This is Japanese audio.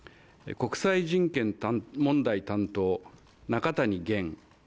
国際人権問題担当・中谷元。